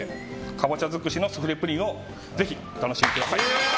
かぼちゃ尽くしのスフレプリンをぜひお楽しみください。